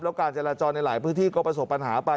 แล้วการจราจรในหลายพื้นที่ก็ประสบปัญหาไป